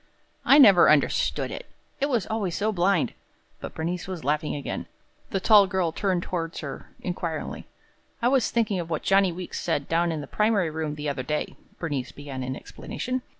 "I never understood it it was always so blind!" But Bernice was laughing again. The tall girl turned toward her inquiringly. "I was thinking of what Johnny Weeks said down in the primary room the other day," Bernice began in explanation.